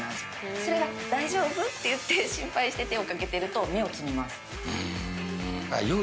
それが「大丈夫？」って心配して手を掛けてると芽を摘みます。